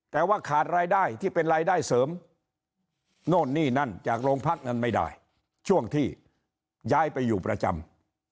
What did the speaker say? แต่ว่าขาดรายได้ที่เป็นรายได้เสริมโน่นนี่นั่นจากโรงพักนั้นไม่ได้ช่วงที่ย้ายไปอยู่ประจำ